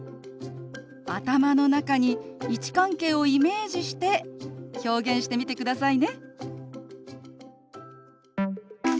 頭の中に位置関係をイメージして表現してみてくださいね。